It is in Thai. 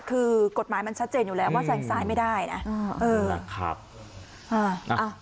คือกฎหมายมันชัดเจนอยู่แล้วว่าแซงซ้ายไม่ได้นะเออครับอ่า